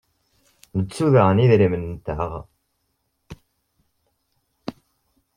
Nettu daɣen idrimen-nteɣ.